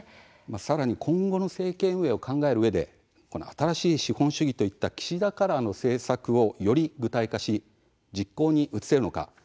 さらに今後の政権運営を考えるうえで「新しい資本主義」といった岸田カラーの政策をより具体化し実行に移せるのか。